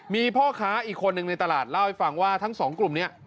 มีพ่อค้าอีกคนนึงในตลาดเล่าให้ฟังว่าทั้งสองกลุ่มนี้